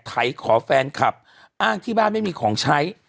ไถขอแฟนคลับอ้างที่บ้านไม่มีของใช้